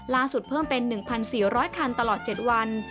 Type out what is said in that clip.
เพิ่มเป็น๑๔๐๐คันตลอด๗วัน